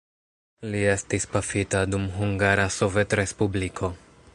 Li estis pafita dum Hungara Sovetrespubliko.